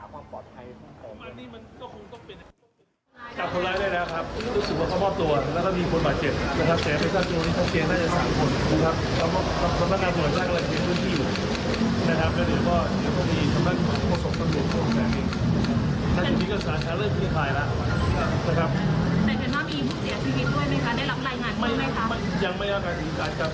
กับคนไร้ได้นะครับรู้สึกว่าเขามอบตัวแล้วก็มีคนมาเจ็บ